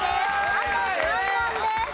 あと３問です。